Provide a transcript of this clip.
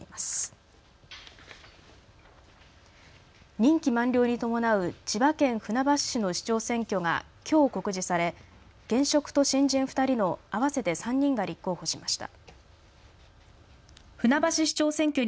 任期満了に伴う千葉県船橋市の市長選挙がきょう告示され現職と新人２人の合わせて３人が立候補しました。